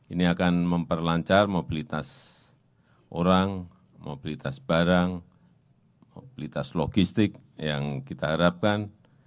ini akan memperlancar mobilitas orang mobilitas barang mobilitas logistik yang kita harapkan